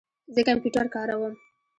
زه کمپیوټر کاروم